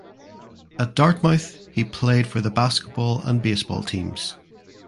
At Dartmouth he played for the basketball and baseball teams.